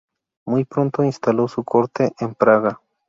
Muy pronto instaló su corte en Praga.